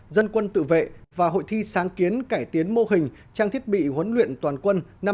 dân quân tự vệ và hội thi sáng kiến cải tiến mô hình trang thiết bị huấn luyện toàn quân năm hai nghìn hai mươi bốn